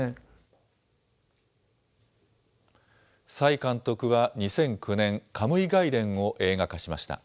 崔監督は２００９年、カムイ外伝を映画化しました。